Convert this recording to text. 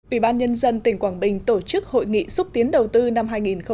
ủy ban nhân dân tỉnh quảng bình tổ chức hội nghị xúc tiến đầu tư năm hai nghìn một mươi chín